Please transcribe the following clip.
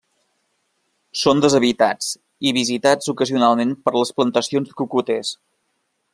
Són deshabitats i visitats ocasionalment per les plantacions de cocoters.